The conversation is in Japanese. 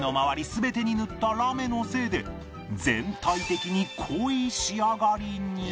全てに塗ったラメのせいで全体的に濃い仕上がりに